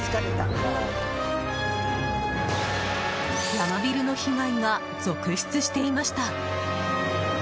ヤマビルの被害が続出していました。